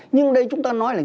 nhưng đây chúng ta nói là